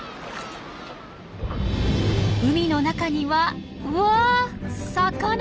海の中にはうわ魚！